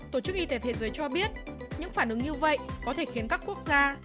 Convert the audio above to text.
tổ chức y tế thế giới cho biết những phản ứng như vậy có thể khiến các quốc gia